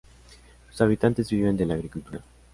Sus habitantes viven de la agricultura.